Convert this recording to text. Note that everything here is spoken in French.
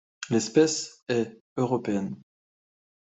L'espèce est européenne.